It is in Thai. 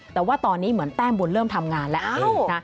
แต่ว่าตอนนี้เหมือนแต้มบุญเริ่มทำงานแล้วนะ